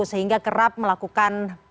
sehingga kerap melakukan